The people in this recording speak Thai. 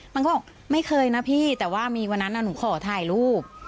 มันก็บอกไม่เคยนะพี่แต่ว่ามีวันนั้นหนูขอถ่ายรูป